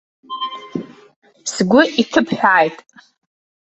Сгәы иҭыбҳәааит!